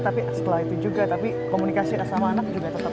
tapi setelah itu juga tapi komunikasi sama anak juga tetap